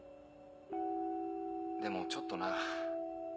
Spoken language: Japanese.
でもちょっとな。